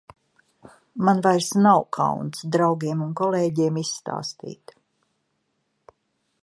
Man vairs nav kauns draugiem un kolēģiem izstāstīt.